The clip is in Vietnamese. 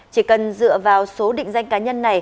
chỉ cần dựa vào số định danh cá nhân